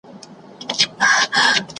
ښکلې شان قصه راته ددوی د ولولو وکړه